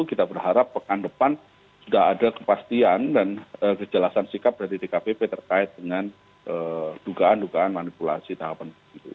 kita berharap pekan depan sudah ada kepastian dan kejelasan sikap dari dkpp terkait dengan dugaan dugaan manipulasi tahapan